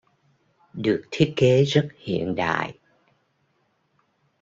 Được thiết kế rất hiện đại